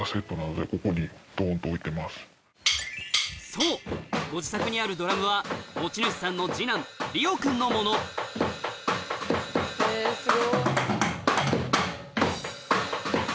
そうご自宅にあるドラムは持ち主さんの二男リオ君のものえっすごっ。